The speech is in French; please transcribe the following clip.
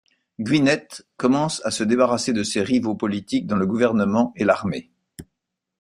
Gwinnett commence à se débarrasser de ses rivaux politiques dans le gouvernement et l'armée.